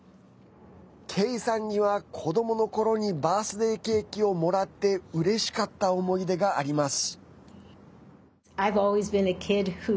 ケイさんには子どものころにバースデーケーキをもらってうれしかった思い出があります。